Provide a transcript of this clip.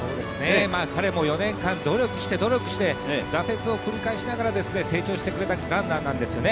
彼も４年間努力して、努力して挫折を繰り返しながら成長してくれたランナーなんですよね。